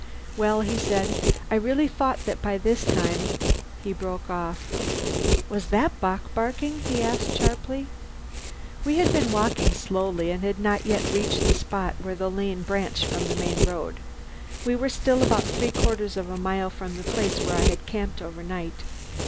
"Well," he said, "I really thought that by this time " He broke off. "Was that Bock barking?" he asked sharply. We had been walking slowly, and had not yet reached the spot where the lane branched from the main road. We were still about three quarters of a mile from the place where I had camped overnight.